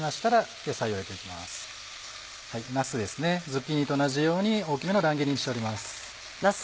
ズッキーニと同じように大きめの乱切りにしております。